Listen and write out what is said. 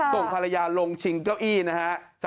ส่งภรรยาลงชิงเก้าอี้นะฮะ